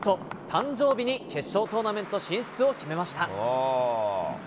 誕生日に決勝トーナメント進出を決めました。